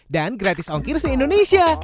dan gratis ongkir di indonesia